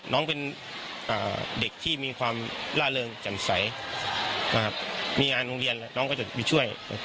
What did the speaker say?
น้องเป็นเด็กที่มีความล่าเริงแจ่มใสมีงานโรงเรียนน้องก็จะไปช่วย